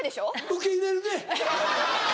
受け入れるで。